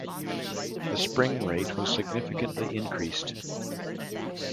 The spring rate was significantly increased.